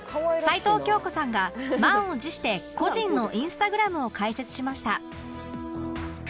齊藤京子さんが満を持して個人のインスタグラムを開設しました